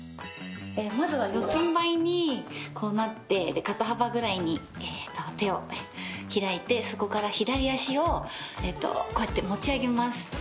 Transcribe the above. まずは四つんばいにこうなって肩幅ぐらいに手を開いてそこから左脚をこうやって持ち上げます。